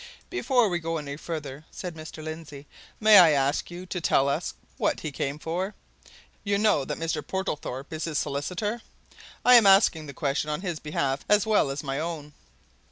"Before we go any further," said Mr. Lindsey, "may I ask you to tell us what he came for? You know that Mr. Portlethorpe is his solicitor? I am asking the question on his behalf as well as my own."